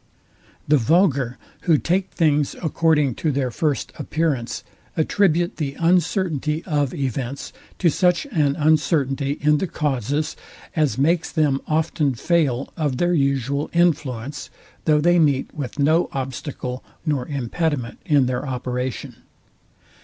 The vulgar, who take things according to their first appearance, attribute the uncertainty of events to such an uncertainty in the causes, as makes them often fail of their usual influence, though they meet with no obstacle nor impediment in their operation.